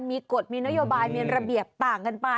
มีกฎมีนโยบายมีระเบียบต่างกันไป